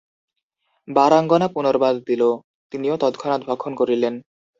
বারাঙ্গনা পুনর্বার দিল, তিনিও তৎক্ষণাৎ ভক্ষণ করিলেন।